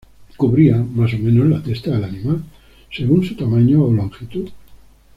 Cubría más o menos la testa del animal, según su tamaño o longitud.